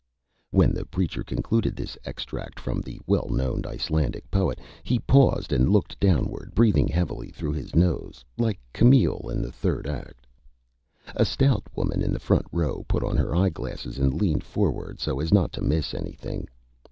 When the Preacher concluded this Extract from the Well Known Icelandic Poet he paused and looked downward, breathing heavily through his Nose, like Camille in the Third Act. A Stout Woman in the Front Row put on her Eye Glasses and leaned forward so as not to miss Anything.